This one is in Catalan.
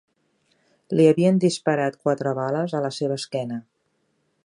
Li havien disparat quatre bales a la seva esquena.